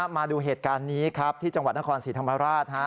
มาดูเหตุการณ์นี้ครับที่จังหวัดนครศรีธรรมราช